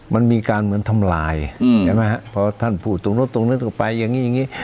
มันมีการเหมือนทำลายเห็นไหมครับเพราะว่าท่านพูดตรงนู้นตรงนู้นต่อไปอย่างนี้อย่างนี้